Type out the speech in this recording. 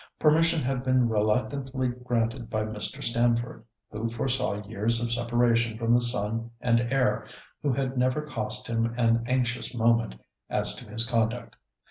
Permission had been reluctantly granted by Mr. Stamford, who foresaw years of separation from the son and heir, who had never cost him an anxious moment as to his conduct.